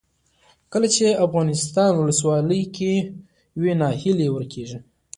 کله چې افغانستان کې ولسواکي وي ناهیلي ورکیږي.